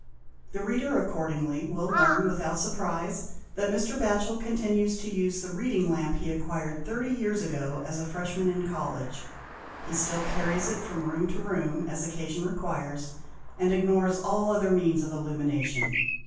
The reader accordingly will learn without surprise that Mr. Batchel continues to use the reading lamp he acquired 30 years ago as a Freshman in College. He still carries it from room to room as occasion requires, and ignores all other means of illumination.